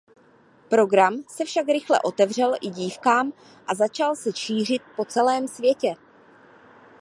Program se však rychle otevřel i dívkám a začal se šířit po celém světě.